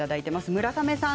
村雨さん